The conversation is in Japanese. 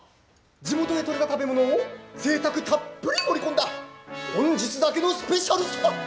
地元で取れた食べ物をぜいたくたっぷり盛り込んだ本日だけのスペシャルそば！